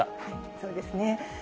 そうですね。